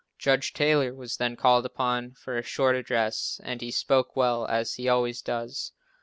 Judge Taylor was then called upon for a short address, and he spoke well, as he always does.